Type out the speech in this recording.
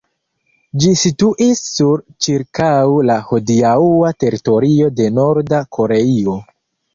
Ĝi situis sur ĉirkaŭ la hodiaŭa teritorio de Norda Koreio.